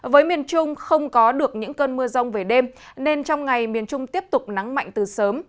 với miền trung không có được những cơn mưa rông về đêm nên trong ngày miền trung tiếp tục nắng mạnh từ sớm